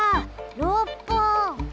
６ぽん！